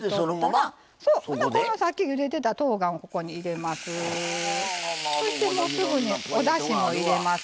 さっきゆでてたとうがんをここに入れます。